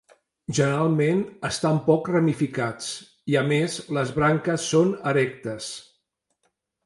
Generalment estan poc ramificats i a més les branques són erectes.